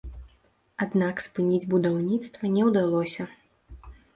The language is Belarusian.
Аднак спыніць будаўніцтва не ўдалося.